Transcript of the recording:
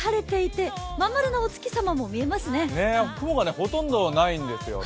雲がほとんどないんですよね。